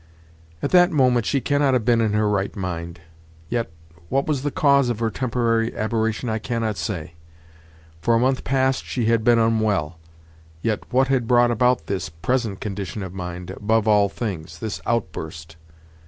At that moment she cannot have been in her right mind; yet, what was the cause of her temporary aberration I cannot say. For a month past she had been unwell. Yet what had brought about this present condition of mind, above all things, this outburst?